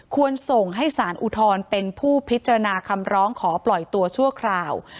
ควรส่งให้สารอุทธรณ์เป็นผู้พิจารณาคำร้องขอปล่อยตัวชั่วคราว